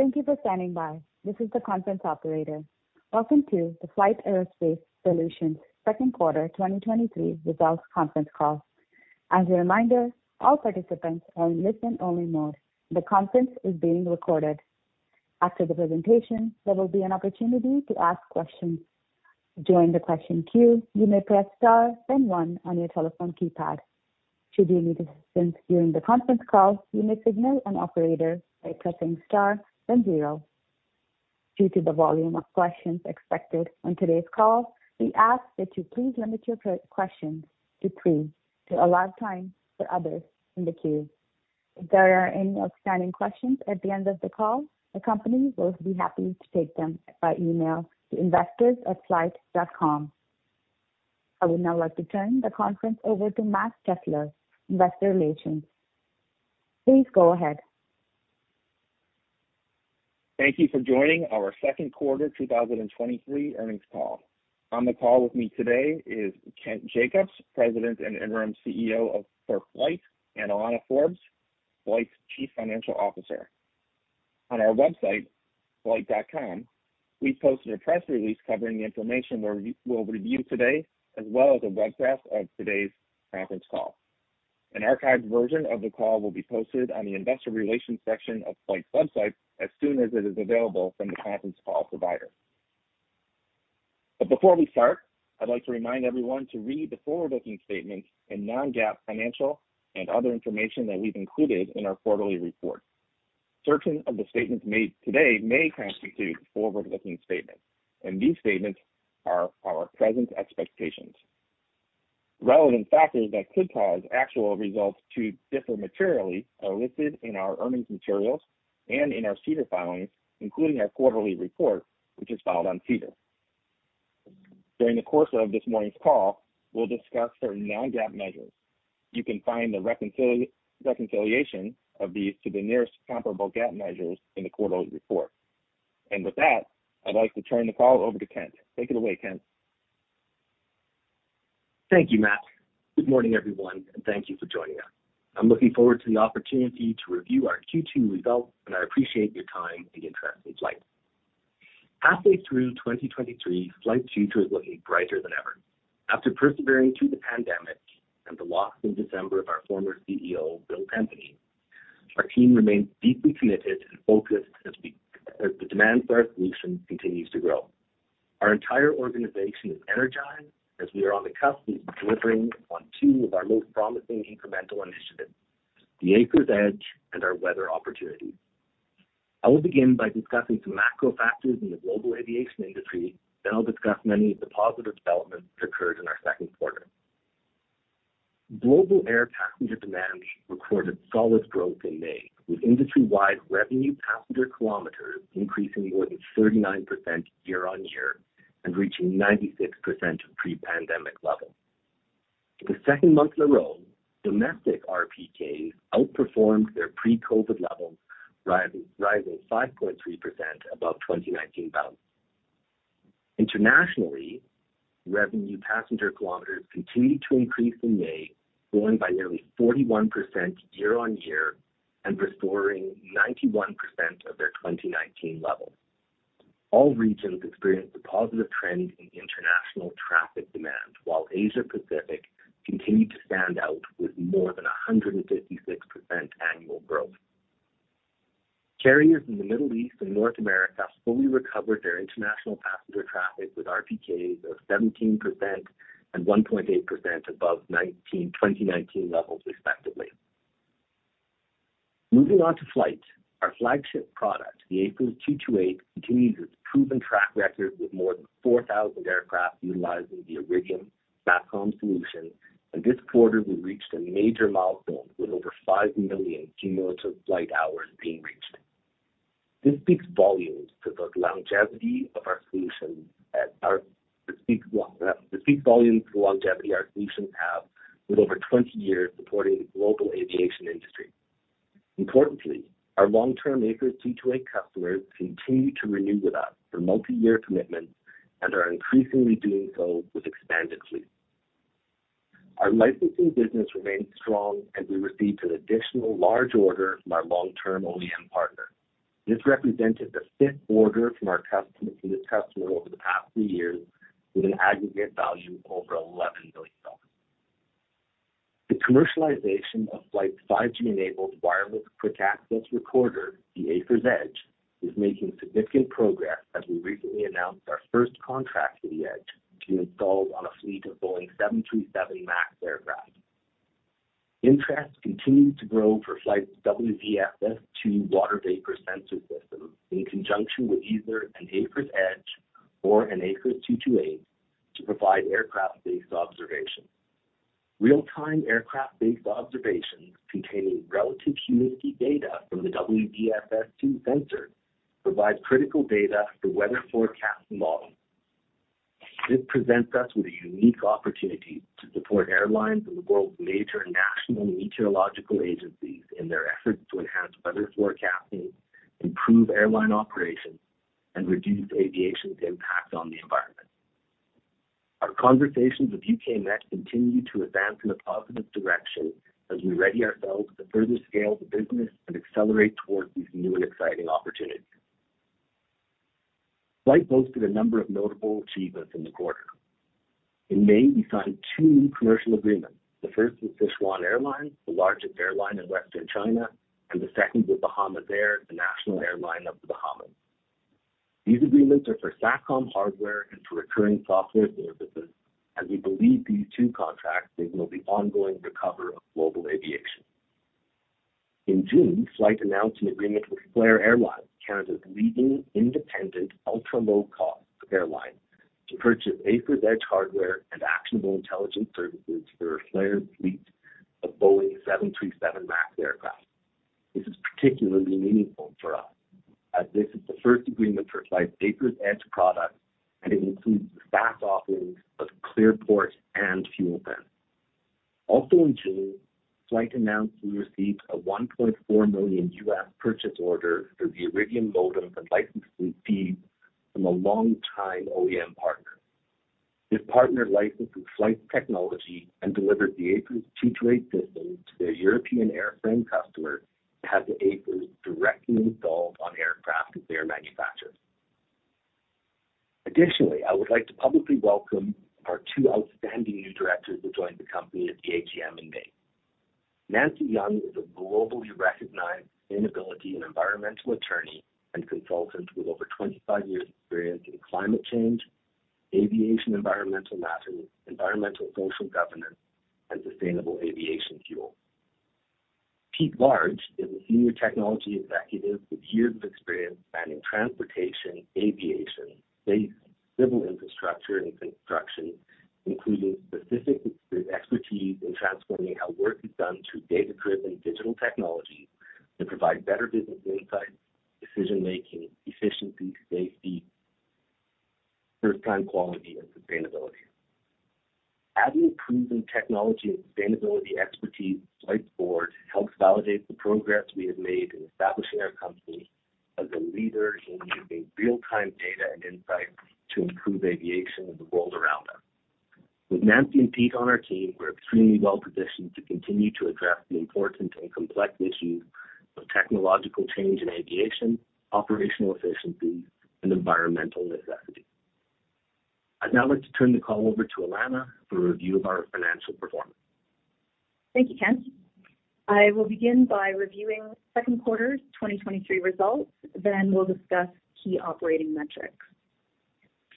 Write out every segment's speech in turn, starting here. Thank you for standing by. This is the conference operator. Welcome to the FLYHT Aerospace Solutions Second Quarter 2023 Results Conference Call. As a reminder, all participants are in listen-only mode. The conference is being recorded. After the presentation, there will be an opportunity to ask questions. To join the question queue, you may press star, then one on your telephone keypad. Should you need assistance during the conference call, you may signal an operator by pressing star, then zero. Due to the volume of questions expected on today's call, we ask that you please limit your questions to [two], to allow time for others in the queue. If there are any outstanding questions at the end of the call, the company will be happy to take them by email to investors@flyht.com. I would now like to turn the conference over to Matt Chesler, Investor Relations. Please go ahead. Thank you for joining our second quarter 2023 earnings call. On the call with me today is Kent Jacobs, President and Interim CEO of FLYHT, and Alana Forbes, FLYHT's Chief Financial Officer. On our website, flyht.com, we've posted a press release covering the information we'll, we'll review today, as well as a webcast of today's conference call. An archived version of the call will be posted on the Investor Relations section of FLYHT's website as soon as it is available from the conference call provider. Before we start, I'd like to remind everyone to read the forward-looking statements and non-GAAP financial and other information that we've included in our quarterly report. Certain of the statements made today may constitute forward-looking statements, and these statements are our present expectations. Relevant factors that could cause actual results to differ materially are listed in our earnings materials and in our SEDAR filings, including our quarterly report, which is filed on SEDAR. During the course of this morning's call, we'll discuss certain non-GAAP measures. You can find the reconciliation of these to the nearest comparable GAAP measures in the quarterly report. With that, I'd like to turn the call over to Kent. Take it away, Kent. Thank you, Matt. Good morning, everyone, and thank you for joining us. I'm looking forward to the opportunity to review our Q2 results, and I appreciate your time and interest in FLYHT. Halfway through 2023, FLYHT's future is looking brighter than ever. After persevering through the pandemic and the loss in December of our former CEO, Bill Tempany, our team remains deeply committed and focused as the demand for our solution continues to grow. Our entire organization is energized as we are on the cusp of delivering on two of our most promising incremental initiatives, the AFIRS Edge and our weather opportunity. I will begin by discussing some macro factors in the global aviation industry, then I'll discuss many of the positive developments that occurred in our second quarter. Global air passenger demand recorded solid growth in May, with industry-wide revenue passenger kilometers increasing more than 39% year-on-year and reaching 96% of pre-pandemic levels. For the second month in a row, domestic RPKs outperformed their pre-COVID levels, rising 5.3% above 2019 levels. Internationally, revenue passenger kilometers continued to increase in May, growing by nearly 41% year-on-year and restoring 91% of their 2019 levels. All regions experienced a positive trend in international traffic demand, while Asia Pacific continued to stand out with more than 156% annual growth. Carriers in the Middle East and North America fully recovered their international passenger traffic, with RPKs of 17% and 1.8% above 2019 levels, respectively. Moving on to FLYHT, our flagship product, the AFIRS 228, continues its proven track record, with more than 4,000 aircraft utilizing the Iridium SATCOM solution. This quarter we reached a major milestone, with over 5 million cumulative flight hours being reached. This speaks volumes to the longevity of our solution. This speaks volumes to the longevity our solutions have with over 20 years supporting the global aviation industry. Importantly, our long-term AFIRS 228 customers continue to renew with us for multi-year commitments and are increasingly doing so with expanded fleets. Our licensing business remains strong as we received an additional large order from our long-term OEM partner. This represented the fifth order from our customer, from this customer over the past three years, with an aggregate value of over $11 million. The commercialization of FLYHT's 5G-enabled Wireless Quick Access Recorder, the AFIRS Edge, is making significant progress as we recently announced our first contract for the Edge to be installed on a fleet of Boeing 737 MAX aircraft. Interest continues to grow for FLYHT's WVSS-II Water Vapor Sensing System, in conjunction with either an AFIRS Edge or an AFIRS 228 to provide Aircraft-Based Observations. Real-time Aircraft-Based Observations containing relative humidity data from the WVSS-II sensor provides critical data for weather forecast models. This presents us with a unique opportunity to support airlines and the world's major national meteorological agencies in their efforts to enhance weather forecasting, improve airline operations, and reduce aviation's impact on the environment. Our conversations with U.K. Met Office continue to advance in a positive direction as we ready ourselves to further scale the business and accelerate towards these new and exciting opportunities. FLYHT boasted a number of notable achievements in the quarter. In May, we signed two new commercial agreements. The first with Sichuan Airlines, the largest airline in Western China, and the second with Bahamasair, the national airline of the Bahamas. These agreements are for SATCOM hardware and for recurring software services, and we believe these two contracts signal the ongoing recovery of global aviation. In June, FLYHT announced an agreement with Flair Airlines, Canada's leading independent, ultra-low-cost airline, to purchase AFIRS Edge hardware and actionable intelligence services for Flair's fleet of Boeing 737 MAX aircraft. This is particularly meaningful for us, as this is the first agreement for FLYHT's AFIRS Edge product, and it includes the SaaS offerings of ClearPort and FuelSense. Also in June, FLYHT announced we received a $1.4 million purchase order for the Iridium modems and licensing fees from a longtime OEM partner. This partner licenses FLYHT technology and delivers the AFIRS 228 system to their European airframe customer and has the AFIRS directly installed on aircraft as they are manufactured. Additionally, I would like to publicly welcome our two outstanding new directors who joined the company at the AGM in May. Nancy Young is a globally recognized sustainability and environmental attorney and consultant with over 25 years of experience in climate change, aviation, environmental matters, environmental social governance, and sustainable aviation fuel. Pete Large is a senior technology executive with years of experience spanning transportation, aviation, space, civil infrastructure, and construction, including specific expertise in transforming how work is done through data-driven digital technology to provide better business insights, decision-making, efficiency, safety, first-time quality, and sustainability. Adding proven technology and sustainability expertise to FLYHT's board helps validate the progress we have made in establishing our company as a leader in using real-time data and insights to improve aviation and the world around us. With Nancy and Pete on our team, we're extremely well-positioned to continue to address the important and complex issues of technological change in aviation, operational efficiency, and environmental necessity. I'd now like to turn the call over to Alana for a review of our financial performance. Thank you, Kent. I will begin by reviewing second quarter's 2023 results, then we'll discuss key operating metrics.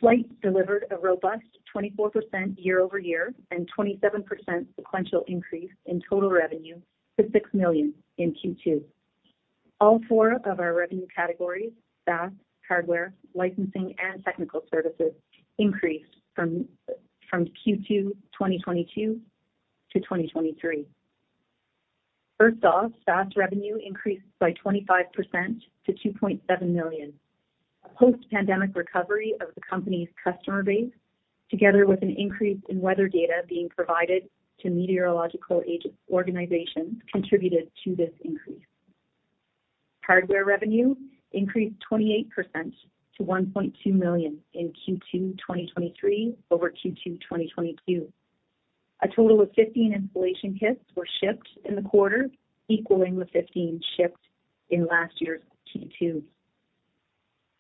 FLYHT delivered a robust 24% year-over-year, and 27% sequential increase in total revenue to $6 million in Q2. All four of our revenue categories, SaaS, hardware, licensing, and technical services, increased from Q2 2022 to 2023. First off, SaaS revenue increased by 25% to $2.7 million. A post-pandemic recovery of the company's customer base, together with an increase in weather data being provided to meteorological agency organizations, contributed to this increase. Hardware revenue increased 28% to $1.2 million in Q2 2023 over Q2 2022. A total of 15 installation kits were shipped in the quarter, equaling the 15 shipped in last year's Q2.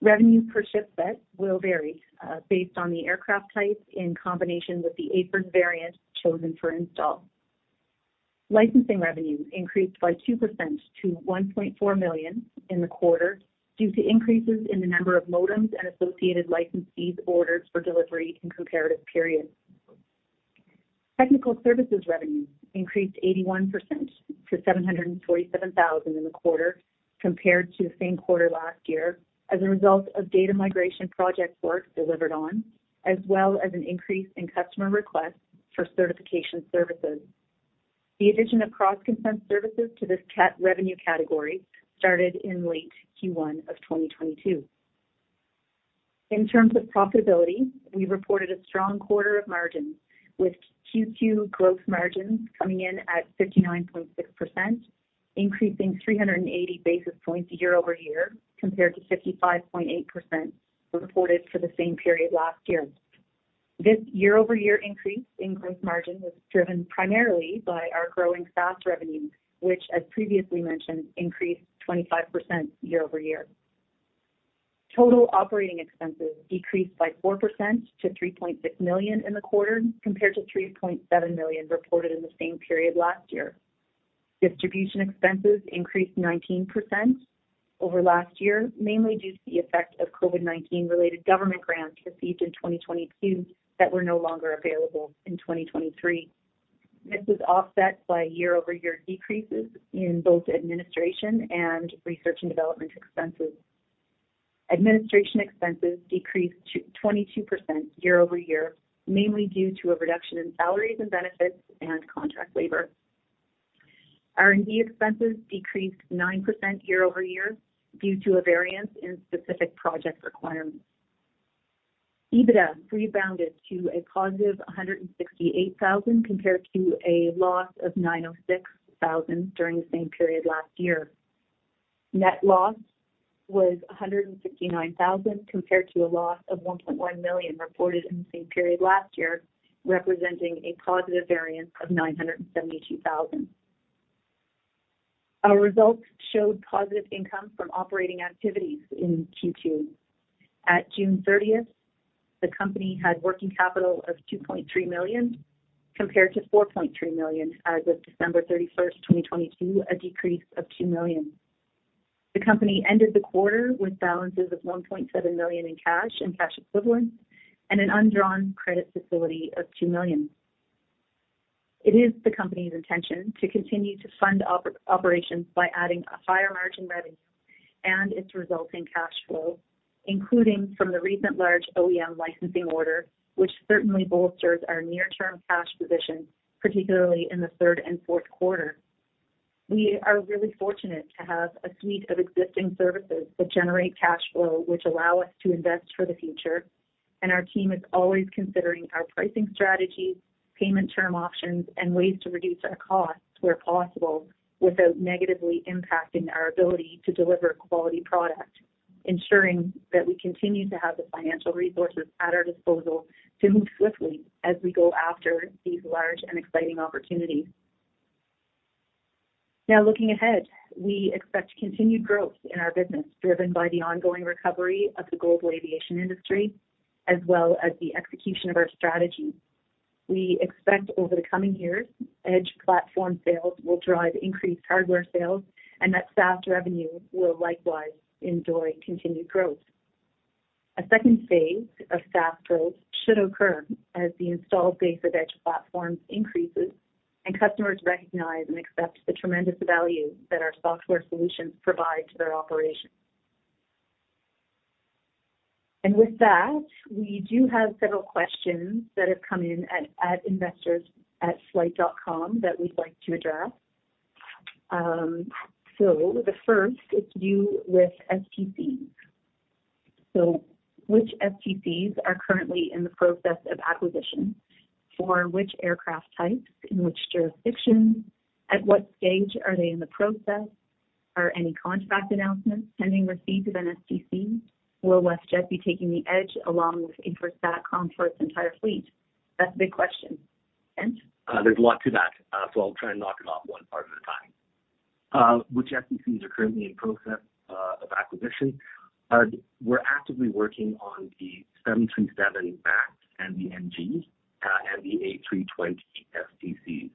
Revenue per ship set will vary, based on the aircraft type in combination with the AFIRS variant chosen for install. Licensing revenue increased by 2% to $1.4 million in the quarter, due to increases in the number of modems and associated license fees ordered for delivery in comparative periods. Technical services revenue increased 81% to $747,000 in the quarter, compared to the same quarter last year, as a result of data migration project work delivered on, as well as an increase in customer requests for certification services. The addition of CrossConsense services to this revenue category started in late Q1 of 2022. In terms of profitability, we reported a strong quarter of margins, with Q2 gross margins coming in at 59.6%, increasing 380 basis points year-over-year, compared to 55.8% reported for the same period last year. This year-over-year increase in gross margin was driven primarily by our growing SaaS revenue, which, as previously mentioned, increased 25% year-over-year. Total operating expenses decreased by 4% to $3.6 million in the quarter, compared to $3.7 million reported in the same period last year. Distribution expenses increased 19% over last year, mainly due to the effect of COVID-19-related government grants received in 2022 that were no longer available in 2023. This was offset by year-over-year decreases in both administration and research and development expenses. Administration expenses decreased 22% year-over-year, mainly due to a reduction in salaries and benefits and contract labor. R&D expenses decreased 9% year-over-year due to a variance in specific project requirements. EBITDA rebounded to a positive $168,000, compared to a loss of $906,000 during the same period last year. Net loss was $159,000, compared to a loss of $1.1 million reported in the same period last year, representing a positive variance of $972,000. Our results showed positive income from operating activities in Q2. At June 30, the company had working capital of $2.3 million, compared to$4.3 million as of December 31, 2022, a decrease of $2 million. The company ended the quarter with balances of $1.7 million in cash and cash equivalents, and an undrawn credit facility of $2 million. It is the company's intention to continue to fund operations by adding a higher margin revenue and its resulting cash flow, including from the recent large OEM licensing order, which certainly bolsters our near-term cash position, particularly in the third and fourth quarter. We are really fortunate to have a suite of existing services that generate cash flow, which allow us to invest for the future, and our team is always considering our pricing strategies, payment term options, and ways to reduce our costs where possible, without negatively impacting our ability to deliver quality product. Ensuring that we continue to have the financial resources at our disposal to move swiftly as we go after these large and exciting opportunities. Now, looking ahead, we expect continued growth in our business, driven by the ongoing recovery of the global aviation industry, as well as the execution of our strategy. We expect over the coming years, Edge platform sales will drive increased hardware sales, and that SaaS revenue will likewise enjoy continued growth. A second phase of SaaS growth should occur as the installed base of Edge platforms increases, and customers recognize and accept the tremendous value that our software solutions provide to their operations. With that, we do have several questions that have come in at investors@flyht.com that we'd like to address. The first is to do with STCs. Which STCs are currently in the process of acquisition? For which aircraft types, in which jurisdictions, at what stage are they in the process? Are any contract announcements pending receipt of an STC? Will WestJet be taking the Edge along with AFIRS SATCOM for its entire fleet? That's a big question. Kent? There's a lot to that, so I'll try and knock it off one part at a time. Which STCs are currently in process of acquisition? We're actively working on the 737 MAX and the NG and the A320 STCs.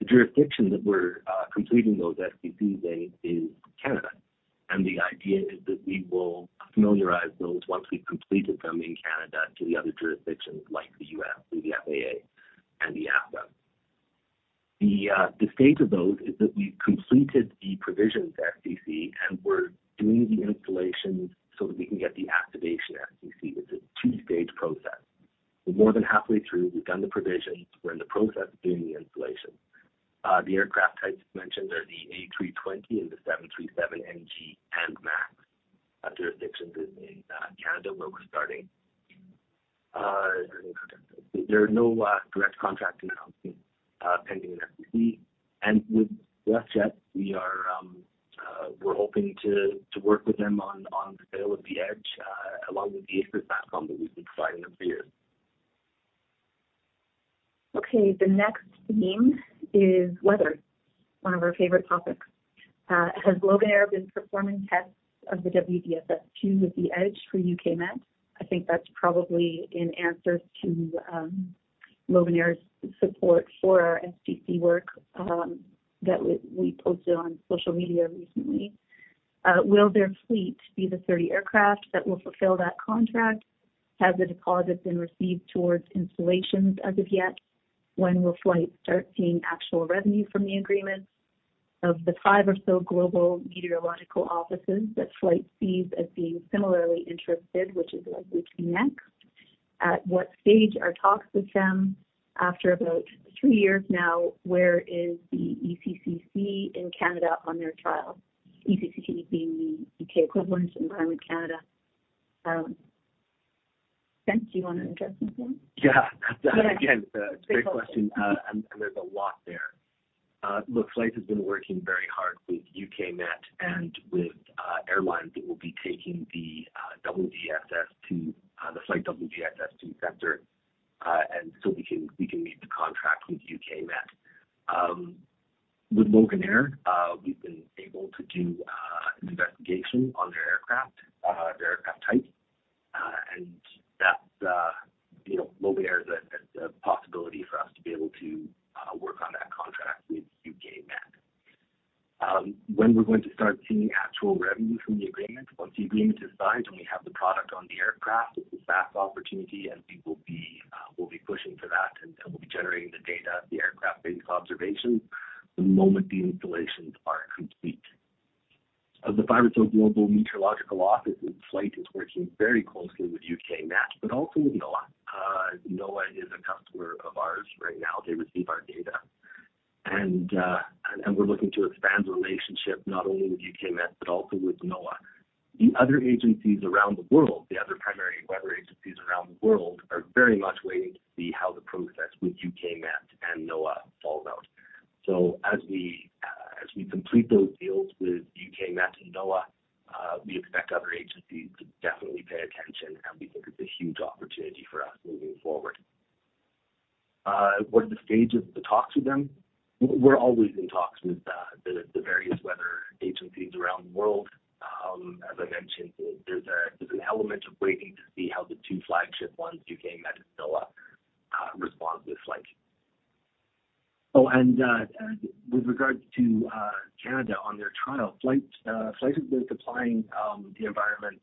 The jurisdiction that we're completing those STCs in, is Canada, and the idea is that we will familiarize those once we've completed them in Canada, to the other jurisdictions like the U.S., through the FAA and the EASA. The state of those is that we've completed the provisions STC, and we're doing the installation so that we can get the activation STC. It's a two-stage process. We're more than halfway through. We've done the provisions. We're in the process of doing the installation. The aircraft types mentioned are the A320 and the 737 NG and MAX. Jurisdictions is in Canada, where we're starting. There are no direct contract announcements pending an STC. With WestJet, we are hoping to work with them on the sale of the Edge along with the AFIRS SATCOM that we've been providing them for years. Okay, the next theme is weather, one of our favorite topics. Has Loganair been performing tests of the WVSS-II with the Edge for U.K. Met? I think that's probably in answer to Loganair's support for our STC work that we, we posted on social media recently. Will their fleet be the 30 aircraft that will fulfill that contract? Has the deposit been received towards installations as of yet? When will FLYHT start seeing actual revenue from the agreements? Of the five or so global meteorological offices that FLYHT sees as being similarly interested, which is likely to be next, at what stage are talks with them? After about three years now, where is the ECCC in Canada on their trial? ECCC being the U.K. equivalent, Environment Canada. Kent, do you want to address this one? Yeah. Again, great question, and, and there's a lot there. Look, FLYHT has been working very hard with U.K. Met and with airlines that will be taking the WVSS-II, the FLYHT-WVSS-II sensor, and so we can, we can meet the contract with U.K. Met. With Loganair, we've been able to do an investigation on their aircraft, their aircraft type, and that, you know, Loganair is a, a possibility for us to be able to work on that contract with U.K. Met. When we're going to start seeing actual revenue from the agreement? Once the agreement is signed, when we have the product on the aircraft, SaaS opportunity, and we will be, we'll be pushing for that, and, and we'll be generating the data, the Aircraft-Based Observations, the moment the installations are complete. Of the five or so global meteorological offices, FLYHT is working very closely with U.K. Met, but also with NOAA. NOAA is a customer of ours right now. They receive our data. We're looking to expand the relationship not only with U.K. Met, but also with NOAA. The other agencies around the world, the other primary weather agencies around the world are very much waiting to see how the process with U.K. Met and NOAA falls out. As we complete those deals with U.K. Met and NOAA, we expect other agencies to definitely pay attention, and we think it's a huge opportunity for us moving forward. What are the stages of the talks with them? We're always in talks with the various weather agencies around the world. As I mentioned, there's a, there's an element of waiting to see how the two flagship ones, U.K. Met and NOAA, respond to FLYHT. With regard to Canada on their trial, FLYHT, FLYHT has been supplying the environment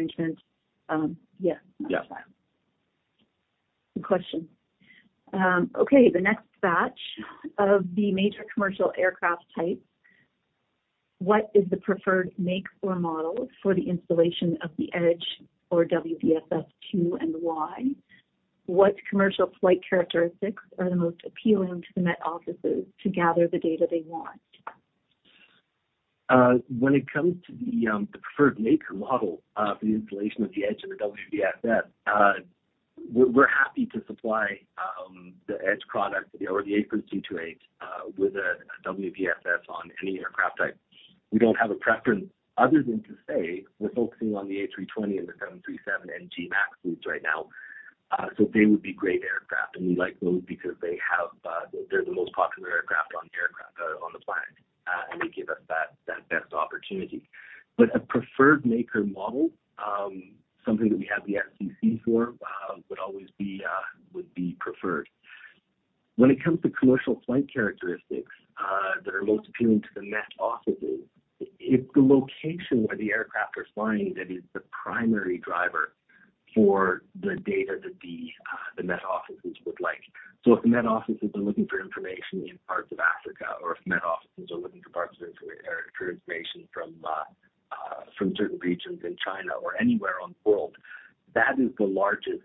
agency in Canada with data for years. There is no trial there. We're, we're supplying them with Aircraft-Based Observations, have been for a long time, and we don't see that changing. That's under contract. There, that's a paid arrangement. Yeah. Yeah. Good question. Okay, the next batch. Of the major commercial aircraft types, what is the preferred make or model for the installation of the Edge or WVSS-II, and why? What commercial flight characteristics are the most appealing to the Met Offices to gather the data they want? When it comes to the preferred make and model for the installation of the Edge and the WVSS, we're happy to supply the Edge product or the AFIRS 228 a WVSS on any aircraft type. We don't have a preference other than to say we're focusing on the A320 and the 737 NG MAX fleets right now. They would be great aircraft, and we like those because they have, they're the most popular aircraft on the aircraft, on the planet, and they give us that, that best opportunity. A preferred maker model, something that we have the STC for, would always be, would be preferred. When it comes to commercial flight characteristics that are most appealing to the Met offices, it's the location where the aircraft are flying that is the primary driver for the data that the Met offices would like. If the Met offices are looking for information in parts of Africa, or if the Met offices are looking for parts of, or for information from certain regions in China or anywhere on the world, that is the largest,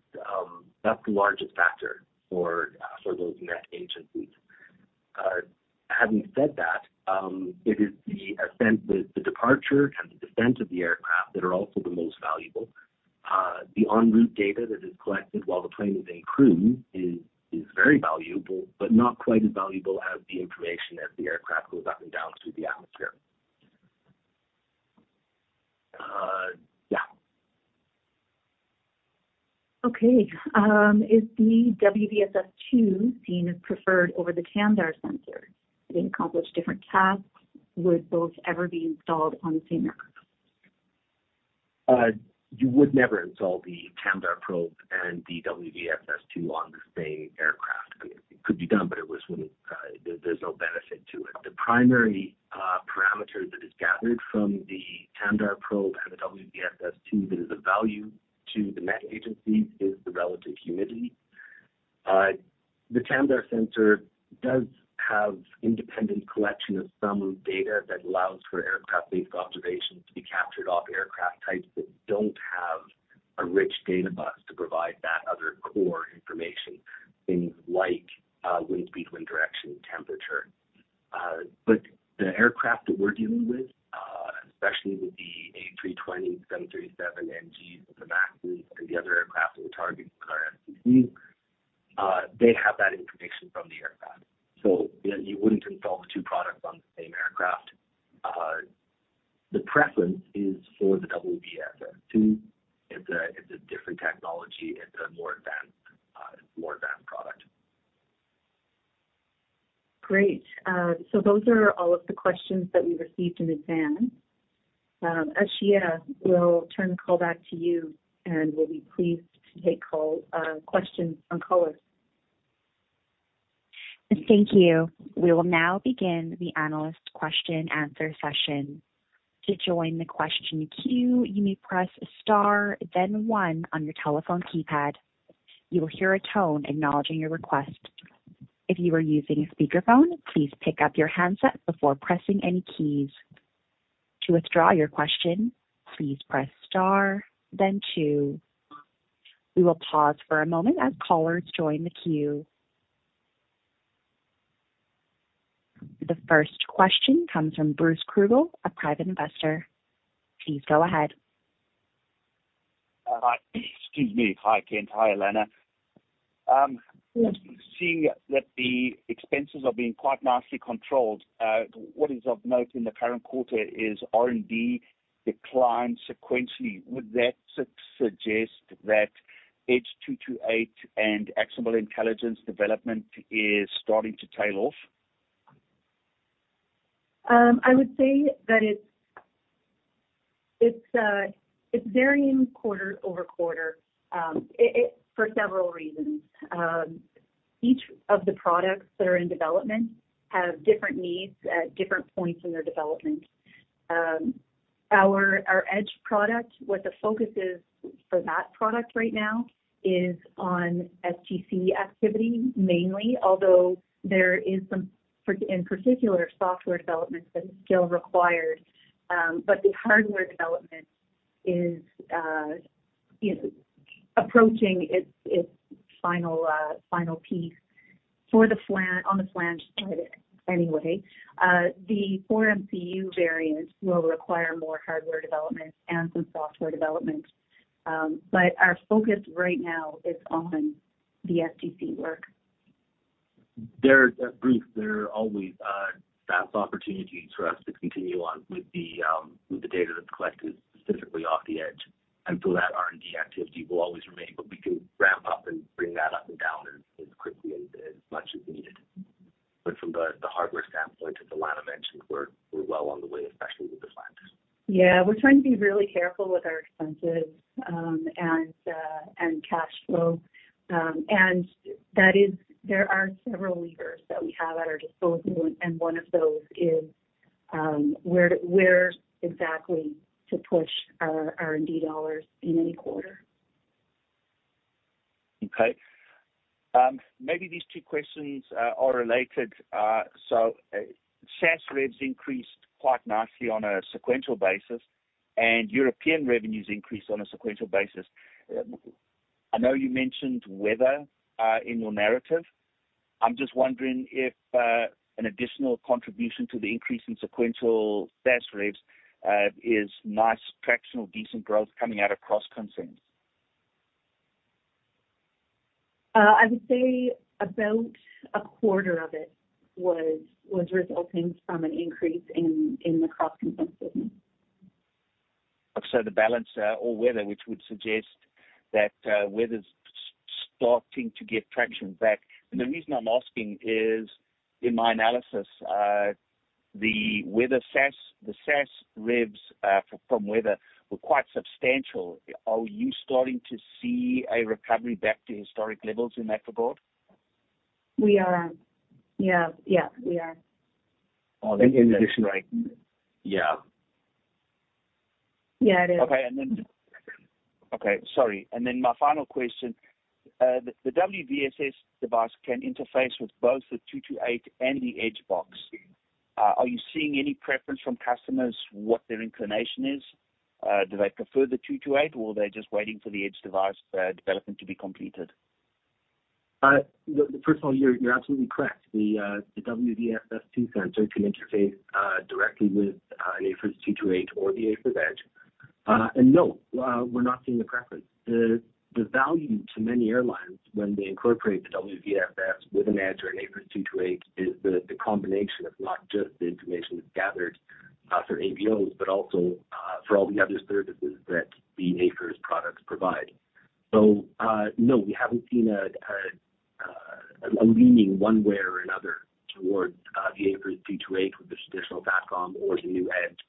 that's the largest factor for those Met agencies. Having said that, it is the ascent, the departure and the descent of the aircraft that are also the most valuable. The en route data that is collected while the plane is in cruise is, is very valuable, but not quite as valuable as the information as the aircraft goes up and down through the atmosphere. Yeah. Okay. Is the WVSS-II seen as preferred over the TAMDAR sensor? They accomplish different tasks. Would both ever be installed on the same aircraft? You would never install the TAMDAR probe and the WVSS-II on the same aircraft. I mean, it could be done, but there's no benefit to it. The primary parameter that is gathered from the TAMDAR probe and the WVSS-II that is of value to the Met agencies is the relative humidity. The TAMDAR sensor does have independent collection of some data that allows for Aircraft-Based Observations to be captured off aircraft types that don't have a rich data bus to provide that other core information, things like wind speed, wind direction, and temperature. The aircraft that we're dealing with, especially with the A320, 737 NG, the MAX fleets, and the other aircraft that we're targeting with our STC, they have that information from the aircraft, so you wouldn't install the two products on the same aircraft. The preference is for the WVSS-II. It's a, it's a different technology. It's a more advanced, more advanced product. Great. Those are all of the questions that we received in advance. Ashia, we'll turn the call back to you, and we'll be pleased to take call, questions on call. Thank you. We will now begin the analyst question-answer session. To join the question queue, you may press star, then one on your telephone keypad. You will hear a tone acknowledging your request. If you are using a speakerphone, please pick up your handset before pressing any keys. To withdraw your question, please press star, then two. We will pause for a moment as callers join the queue. The first question comes from Bruce Krugel, a private investor. Please go ahead. Hi. Excuse me. Hi, Kent. Hi, Alana. Seeing that the expenses are being quite nicely controlled, what is of note in the current quarter is R&D declined sequentially. Would that suggest that Edge, 228 and actionable intelligence development is starting to tail off? I would say that it's, it's, it's varying quarter-over-quarter, it, it, for several reasons. Each of the products that are in development have different needs at different points in their development. Our, our Edge product, what the focus is for that product right now is on STC activity, mainly, although there is some in particular, software developments that are still required. The hardware development is, is approaching its, its final, final piece on the flange anyway. The four MCU variants will require more hardware development and some software development. Our focus right now is on the STC work. There's, Bruce, there are always SaaS opportunities for us to continue on with the data that's collected specifically off the Edge. So that R&D activity will always remain, but we can ramp up and bring that up and down as quickly and as much as needed. From the hardware standpoint, as Alana mentioned, we're well on the way, especially with the flange. Yeah, we're trying to be really careful with our expenses, and cash flow. That is, there are several levers that we have at our disposal, and one of those is where exactly to push our R&D dollars in any quarter. Okay. maybe these two questions are, are related. SaaS revs increased quite nicely on a sequential basis, and European revenues increased on a sequential basis. I know you mentioned weather, in your narrative. I'm just wondering if, an additional contribution to the increase in sequential SaaS revs, is nice traction or decent growth coming out of CrossConsense? I would say about a quarter of it was, was resulting from an increase in, in the CrossConsense business. The balance, or weather, which would suggest that, weather's starting to get traction back. The reason I'm asking is, in my analysis, the weather SaaS, the SaaS revs, from weather were quite substantial. Are you starting to see a recovery back to historic levels in that regard? We are. Yeah. Yeah, we are. Oh, in addition, right? Yeah. Yeah, it is. Okay. Okay, sorry. My final question, the WVSS device can interface with both the 228 and the Edge box. Are you seeing any preference from customers, what their inclination is? Do they prefer the 228, or they're just waiting for the Edge device development to be completed? First of all, you're, you're absolutely correct. The, the WVSS-II sensor can interface directly with an AFIRS 228 or the AFIRS Edge. No, we're not seeing the preference. The value to many airlines when they incorporate the WVSS with an Edge or an AFIRS 228, is the, the combination of not just the information gathered for ABOs, but also for all the other services that the AFIRS products provide. No, we haven't seen a, a, a leaning one way or another towards the AFIRS 228 with the traditional SATCOM or the new Edge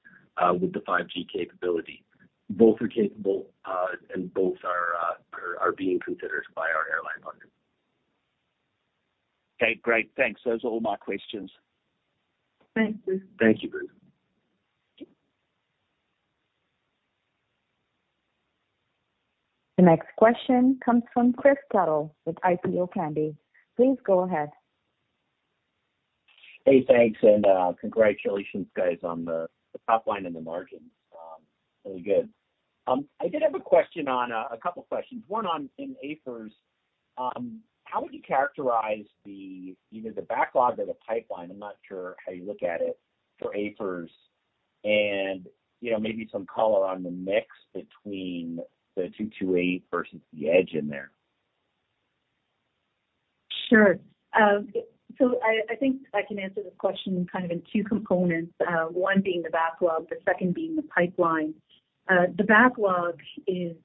with the 5G capability. Both are capable, and both are, are, are being considered by our airline partners. Okay, great. Thanks. Those are all my questions. Thanks, Bruce. Thank you, Bruce. The next question comes from Kris Tuttle with IPO Candy. Please go ahead. Hey, thanks, and congratulations, guys, on the top line and the margins. Really good. I did have a question on a couple of questions. One, on AFIRS, how would you characterize either the backlog or the pipeline? I'm not sure how you look at it for AFIRS, and, you know, maybe some color on the mix between the 228 versus the Edge in there? Sure. I think I can answer this question kind of in two components, one being the backlog, the second being the pipeline. The backlog is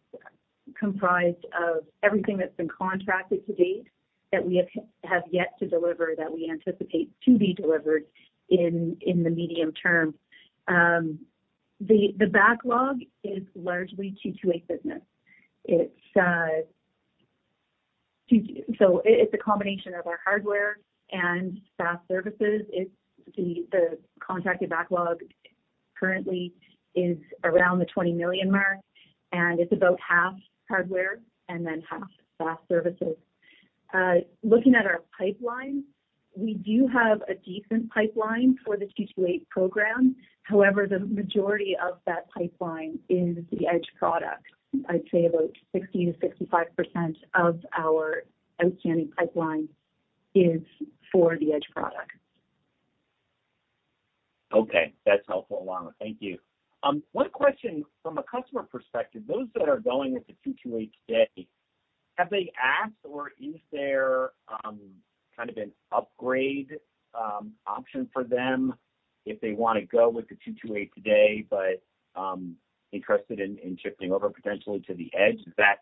comprised of everything that's been contracted to date that we have, have yet to deliver, that we anticipate to be delivered in the medium term. The backlog is largely 228 business. It's, it's a combination of our hardware and SaaS services. The contracted backlog currently is around the $20 million mark, and it's about half hardware and then half SaaS services. Looking at our pipeline, we do have a decent pipeline for the 228 program. However, the majority of that pipeline is the Edge product. I'd say about 60%-65% of our outstanding pipeline is for the Edge product. Okay, that's helpful, Alana. Thank you. One question from a customer perspective, those that are going with the 228 today, have they asked or is there, kind of an upgrade, option for them if they want to go with the 228 today, but, interested in, in shifting over potentially to the edge? Is that,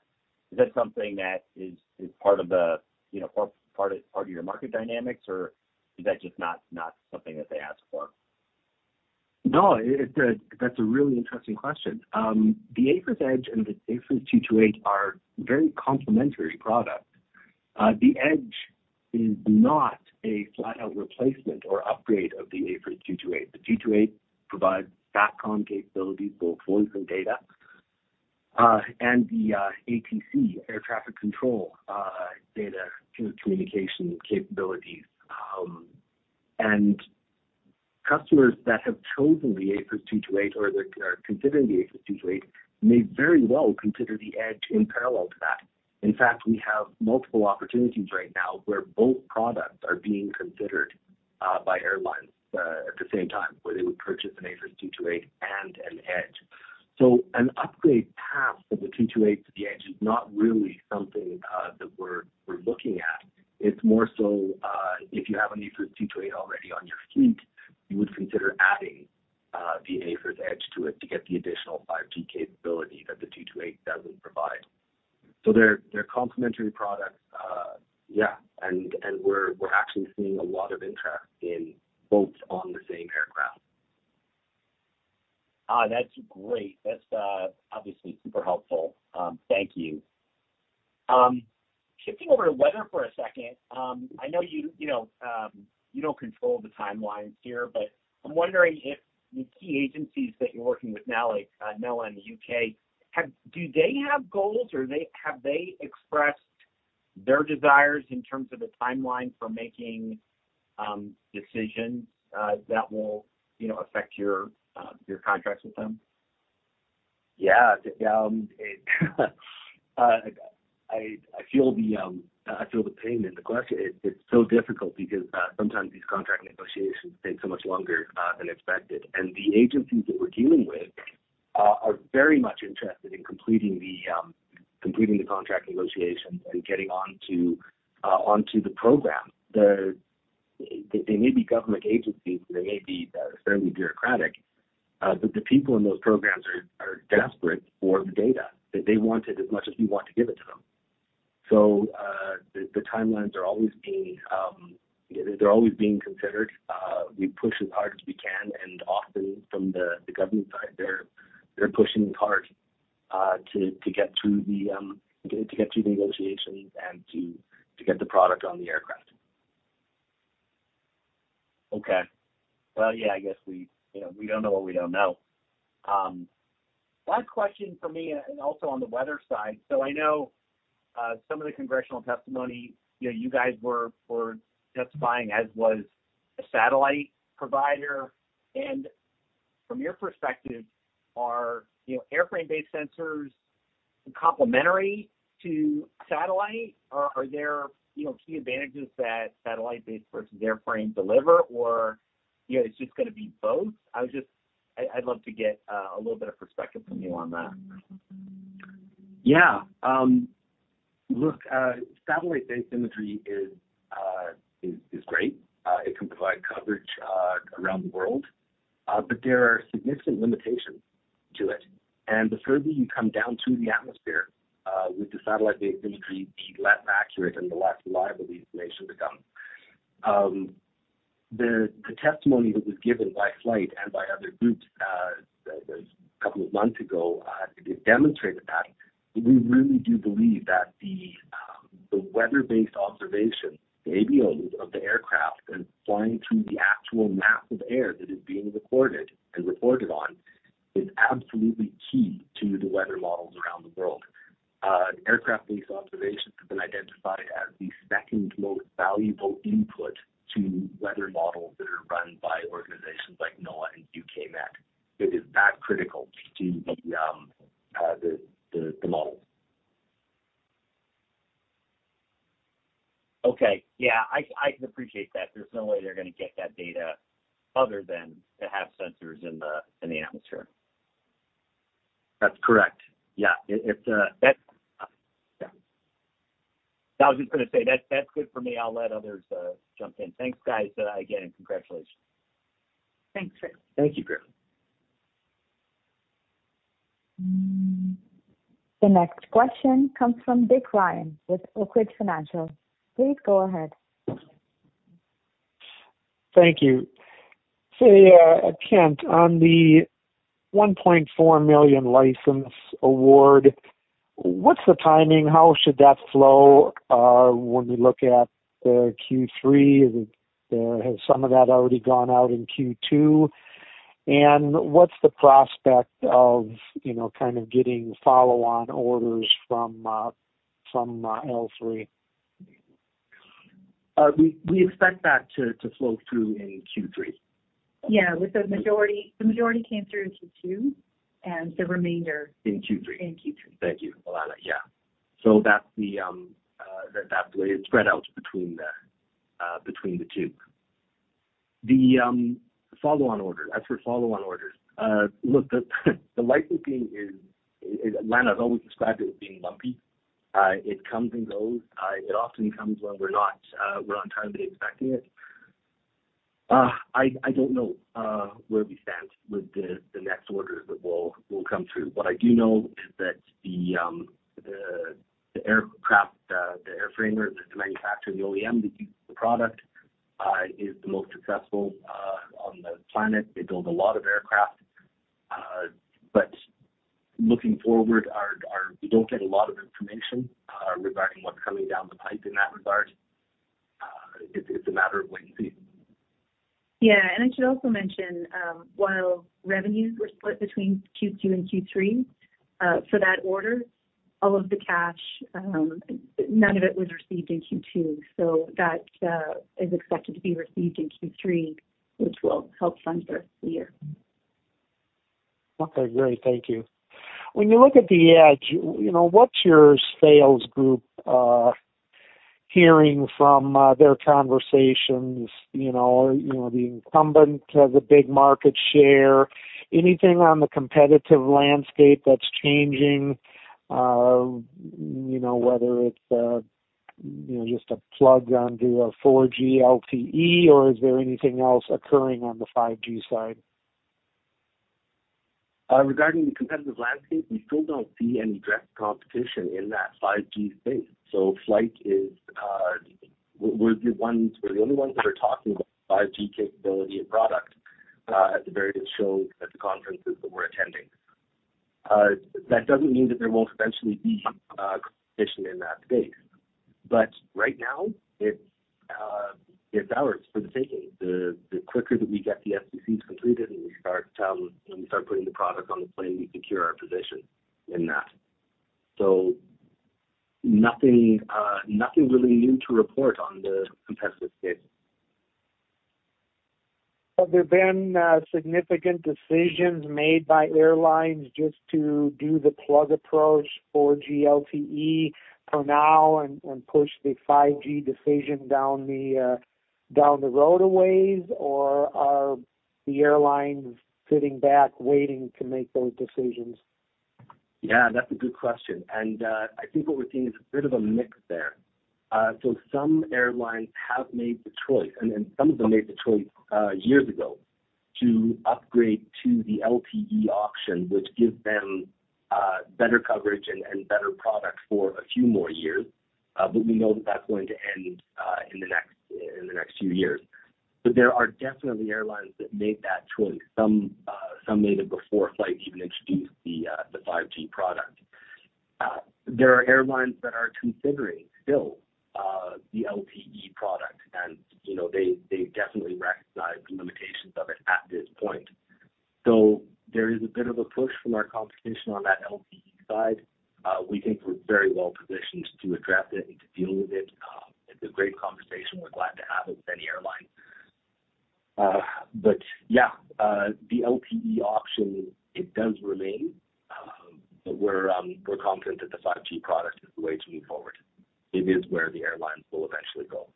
is that something that is, is part of the, you know, part, part of your market dynamics, or is that just not, not something that they ask for? No, it. That's a really interesting question. The AFIRS Edge and the AFIRS 228 are very complementary products. The Edge is not a flat-out replacement or upgrade of the AFIRS 228. The 228 provides SATCOM capabilities, both voice and data, and the ATC, air traffic control, data communication capabilities. Customers that have chosen the AFIRS 228 or they're, are considering the AFIRS 228, may very well consider the Edge in parallel to that. In fact, we have multiple opportunities right now where both products are being considered by airlines at the same time, where they would purchase an AFIRS 228 and an Edge. An upgrade path from the 228 to the Edge is not really something that we're, we're looking at. It's more so, if you have an AFIRS 228 already on your fleet, you would consider adding the AFIRS Edge to it to get the additional 5G capability that the 228 doesn't provide. They're, they're complementary products. Yeah, and, and we're, we're actually seeing a lot of interest in both on the same aircraft. That's great. That's obviously super helpful. Thank you. Shifting over to weather for a second. I know you, you know, you don't control the timelines here, but I'm wondering if the key agencies that you're working with now, like, NOAA in the U.K., do they have goals, or have they expressed their desires in terms of a timeline for making decisions that will, you know, affect your contracts with them? Yeah. I, I feel the, I feel the pain in the question. It, it's so difficult because sometimes these contract negotiations take so much longer than expected. The agencies that we're dealing with are very much interested in completing the, completing the contract negotiations and getting on to, onto the program. They, they may be government agencies, and they may be fairly bureaucratic, but the people in those programs are, are desperate for the data, that they want it as much as we want to give it to them. The, the timelines are always being, they're always being considered. We push as hard as we can, and often from the, the government side, they're, they're pushing hard, to, to get through the, to, to get through the negotiations and to, to get the product on the aircraft. Okay. Well, yeah, I guess we, you know, we don't know what we don't know. One question for me, and also on the weather side. I know some of the congressional testimony, you know, you guys were, were testifying, as was a satellite provider. From your perspective, are, you know, airframe-based sensors complementary to satellite? Or are there, you know, key advantages that satellite-based versus airframe deliver? Or, you know, it's just gonna be both? I'd love to get a little bit of perspective from you on that. Yeah. Look, satellite-based imagery is, is great. It can provide coverage around the world, but there are significant limitations to it. And the further you come down to the atmosphere, with the satellite-based imagery, the less accurate and the less reliable the information becomes. The, the testimony that was given by FLYHT and by other groups, a couple of months ago, it demonstrated that. We really do believe that the, the weather-based observation, the ABOs of the aircraft and flying through the actual mass of air that is being recorded and reported on, is absolutely key to the weather models around the world. Aircraft-Based Observations have been identified as the second most valuable input to weather models that are run by organizations like NOAA and U.K. Met. It is that critical to the, the, the models. Okay. Yeah, I, I can appreciate that. There's no way they're gonna get that data other than to have sensors in the, in the atmosphere. That's correct. Yeah, it's. Yeah. I was just gonna say, that's, that's good for me. I'll let others jump in. Thanks, guys, again, and congratulations. Thanks, Kris. Thank you, Kris. The next question comes from Dick Ryan with Oak Ridge Financial. Please go ahead. Thank you. Say, Kent, on the $1.4 million license award, what's the timing? How should that flow when we look at the Q3? Is it, has some of that already gone out in Q2? What's the prospect of, you know, kind of getting follow-on orders from L3? We expect that to flow through in Q3. Yeah, with the majority, the majority came through in Q2, and the remainder in Q3. Thank you, Alana. Yeah. That's the that way it's spread out between the two. The follow-on orders, as for follow-on orders. Look, the licensing is Alana has always described it as being lumpy. It comes and goes. It often comes when we're not, we're not entirely expecting it. I don't know where we stand with the next orders that will come through. What I do know is that the aircraft, the airframer, the manufacturer, the OEM that uses the product, is the most successful on the planet. They build a lot of aircraft. Looking forward, We don't get a lot of information regarding what's coming down the pipe in that regard. It's, it's a matter of when [received]. Yeah, and I should also mention, while revenues were split between Q2 and Q3, for that order, all of the cash, none of it was received in Q2. That is expected to be received in Q3, which will help fund for the year. Okay, great. Thank you. When you look at the Edge, you know, what's your sales group hearing from their conversations? You know, you know, the incumbent has a big market share. Anything on the competitive landscape that's changing, you know, whether it's, you know, just a plug onto a 4G LTE, or is there anything else occurring on the 5G side? Regarding the competitive landscape, we still don't see any direct competition in that 5G space. FLYHT is, we're the ones-- we're the only ones that are talking about 5G capability and product, at the various shows, at the conferences that we're attending. That doesn't mean that there won't eventually be, competition in that space. Right now, it's, it's ours for the taking. The, the quicker that we get the STCs completed and we start to, and we start putting the product on the plane, we secure our position in that. Nothing, nothing really new to report on the competitive space. Have there been significant decisions made by airlines just to do the plug approach 4G LTE for now and push the 5G decision down the down the road a ways? Or are the airlines sitting back, waiting to make those decisions? Yeah, that's a good question. I think what we're seeing is a bit of a mix there. Some airlines have made the choice, and then some of them made the choice years ago to upgrade to the LTE option which gives them better coverage and better product for a few more years. We know that that's going to end in the next few years. There are definitely airlines that made that choice. Some, some made it before FLYHT even introduced the 5G product. There are airlines that are considering still the LTE product. You know, they definitely recognize the limitations of it at this point. There is a bit of a push from our competition on that LTE side. We think we're very well positioned to address it and to deal with it. It's a great conversation. We're glad to have it with any airline. Yeah, the LTE option, it does remain, but we're confident that the 5G product is the way to move forward. It is where the airlines will eventually go.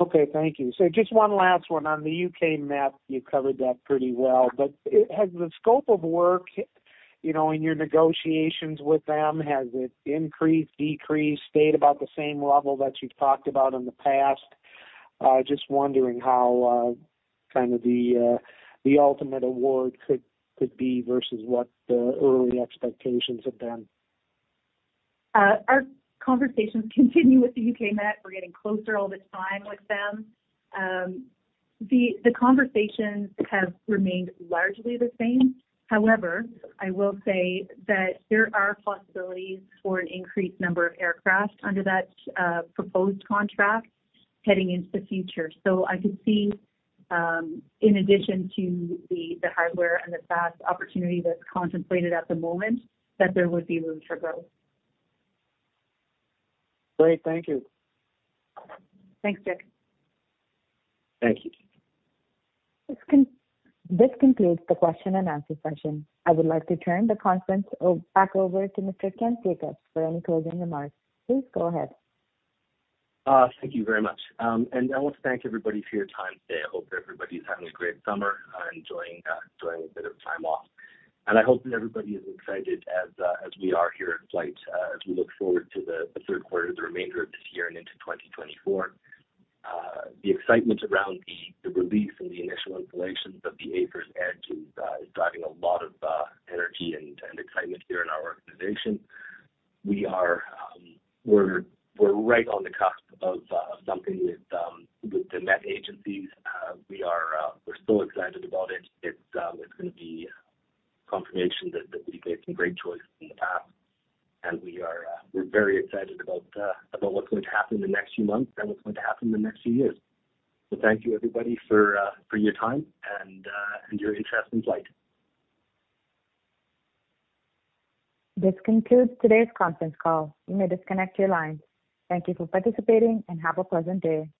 Okay, thank you. Just one last one. On the U.K. Met, you covered that pretty well, but has the scope of work, you know, in your negotiations with them, has it increased, decreased, stayed about the same level that you've talked about in the past? Just wondering how kind of the ultimate award could be versus what the early expectations have been. Our conversations continue with the U.K. Met. We're getting closer all the time with them. The conversations have remained largely the same. However, I will say that there are possibilities for an increased number of aircraft under that proposed contract heading into the future. I could see, in addition to the hardware and the SaaS opportunity that's contemplated at the moment, that there would be room for growth. Great. Thank you. Thanks, Dick. Thank you. This concludes the question and answer session. I would like to turn the conference back over to Mr. Kent Jacobs for any closing remarks. Please go ahead. Thank you very much. I want to thank everybody for your time today. I hope everybody's having a great summer, enjoying a bit of time off. I hope that everybody is excited as we are here at FLYHT, as we look forward to the third quarter, the remainder of this year and into 2024. The excitement around the release and the initial installations of the AFIRS Edge is driving a lot of energy and excitement here in our organization. We are, we're right on the cusp of something with the Met agencies. We are, we're so excited about it. It's, it's going to be confirmation that, that we've made some great choices in the past, and we are, we're very excited about, about what's going to happen in the next few months and what's going to happen in the next few years. Thank you, everybody, for, for your time and, and your interest in FLYHT. This concludes today's conference call. You may disconnect your lines. Thank you for participating, and have a pleasant day.